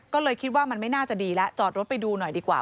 ก็เลยคิดว่ามันไม่น่าจะดีแล้วจอดรถไปดูหน่อยดีกว่า